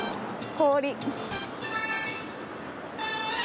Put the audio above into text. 氷。